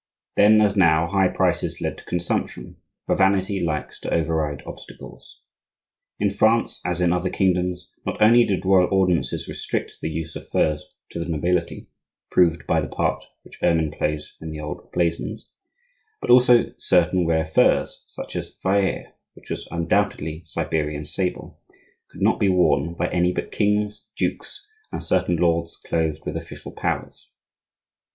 Then, as now, high prices led to consumption; for vanity likes to override obstacles. In France, as in other kingdoms, not only did royal ordinances restrict the use of furs to the nobility (proved by the part which ermine plays in the old blazons), but also certain rare furs, such as vair (which was undoubtedly Siberian sable), could not be worn by any but kings, dukes, and certain lords clothed with official powers.